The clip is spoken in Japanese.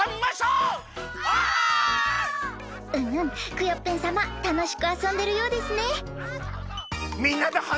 クヨッペンさまたのしくあそんでるようですね。